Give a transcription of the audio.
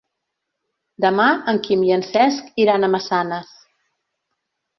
Demà en Quim i en Cesc iran a Massanes.